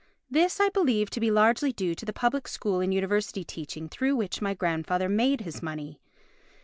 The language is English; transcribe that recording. This I believe to be largely due to the public school and university teaching through which my grandfather made his money.